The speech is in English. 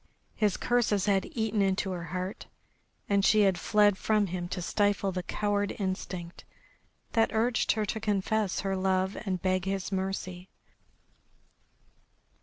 His curses had eaten into her heart, and she had fled from him to stifle the coward instinct that urged her to confess her love and beg his mercy.